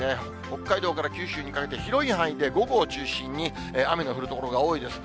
北海道から九州にかけて広い範囲で午後を中心に、雨の降る所が多いです。